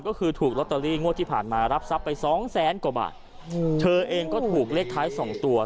ก็คือถูกลอตเตอรี่งวดที่ผ่านมารับทรัพย์ไปสองแสนกว่าบาทอืมเธอเองก็ถูกเลขท้ายสองตัว